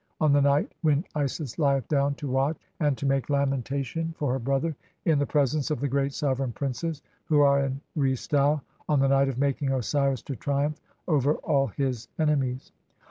; on the night when Isis lieth down to "watch [and] to make lamentation for her brother in the pre sence of the great sovereign princes who are in Re stau ; on "the night of making Osiris to triumph over all his enemies" (12).